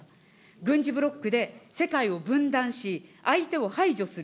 軍事ブロックで、世界を分断し、相手を排除する。